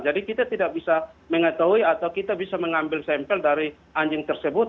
jadi kita tidak bisa mengetahui atau kita bisa mengambil sampel dari anjing tersebut